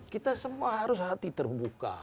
kita semua harus hati terbuka